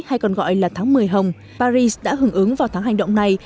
hay còn gọi là tháng một mươi hồng paris đã hưởng ứng vào tháng hành động này